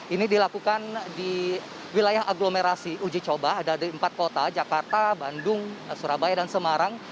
ini dilakukan di wilayah agglomerasi uji coba ada di empat kota jakarta bandung surabaya dan semarang